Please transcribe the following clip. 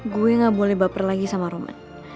gue gak boleh baper lagi sama roman